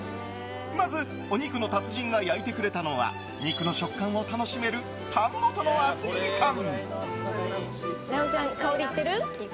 まず、お肉の達人が焼いてくれたのは肉の食感を楽しめるたん元の厚切りたん。